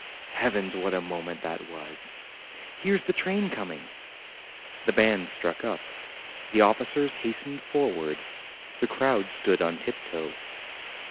Heavens, what a moment that was! Here's the train coming!" The band struck up; the officers hastened forward; the crowd stood on tiptoe.